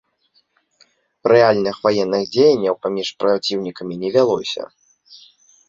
Рэальных ваенных дзеянняў паміж праціўнікамі не вялося.